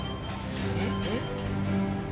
えっ？えっ？